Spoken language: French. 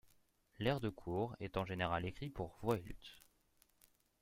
L'air de cour est en général écrit pour voix et luth.